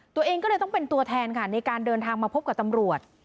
ตัวเองก็เลยต้องเป็นตัวแทนค่ะในการเดินทางมาพบกับตำรวจ